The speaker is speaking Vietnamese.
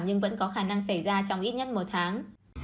nhưng vẫn có khả năng xảy ra trong ít nhất một tháng